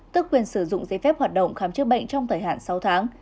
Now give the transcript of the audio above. tức quyền sử dụng giấy phép hoạt động khám chữa bệnh trong thời hạn sáu tháng